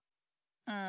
うん。